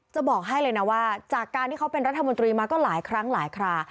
จะบอกให้เลยนะว่าจากการที่เขาเป็นรัฐมนตรีมาก็หลายครั้งหลายครา